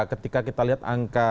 ketika kita lihat angka